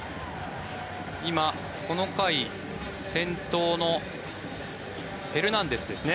今、この回先頭のヘルナンデスですね